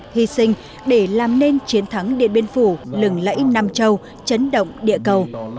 hy sinh để làm nên chiến thắng điện biên phủ lừng lẫy nam châu chấn động địa cầu